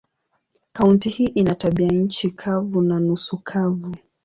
Kaunti hii ina tabianchi kavu na nusu kavu.